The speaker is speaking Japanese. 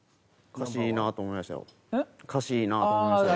歌詞いいなと思いましたけど。